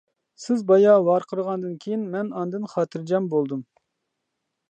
سىز بايا ۋارقىرىغاندىن كېيىن مەن ئاندىن خاتىرجەم بولدۇم.